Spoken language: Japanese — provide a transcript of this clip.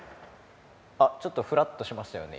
ちょっと、ふらっとしましたよね